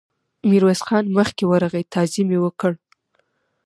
ميرويس خان مخکې ورغی، تعظيم يې وکړ.